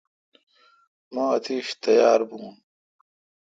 مہ اتیش تیار بھون۔